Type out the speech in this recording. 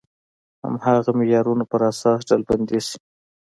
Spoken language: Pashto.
هماغه معیارونو پر اساس ډلبندي شي.